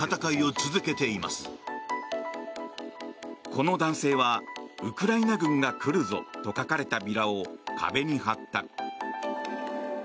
この男性はウクライナ軍が来るぞと書かれたビラを壁に貼った。